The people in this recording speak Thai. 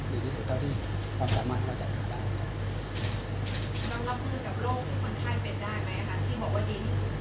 ดีที่สุดเท่าที่ความสามารถเราจัดหาได้